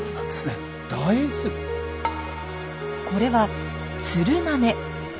これはツルマメ。